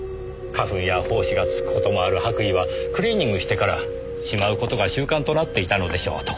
花粉や胞子がつく事もある白衣はクリーニングしてからしまう事が習慣となっていたのでしょう。